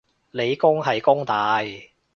理工係弓大